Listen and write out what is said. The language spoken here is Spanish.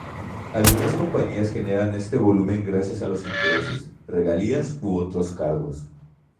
Algunas compañías generan este volumen gracias a los intereses, regalías u otros cargos.